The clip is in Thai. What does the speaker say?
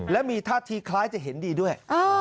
และมีท่าทีคล้ายจะเห็นดีด้วย